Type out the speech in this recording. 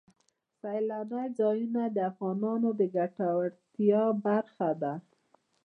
سیلانی ځایونه د افغانانو د ګټورتیا برخه ده.